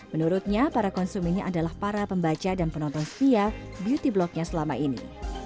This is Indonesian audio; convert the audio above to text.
menurutnya para konsumennya adalah para pembaca dan penonton setia beauty blognya selama ini